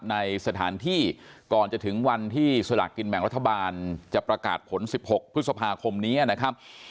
ในสถานที่ก่อนจะถึงวันที่สลากกินแบ่งรัฐบาลจะประกาศผล๑๖พฤษภาคมนี้นะครับ